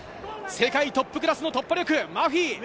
世界トップクラスの突破力、マフィ。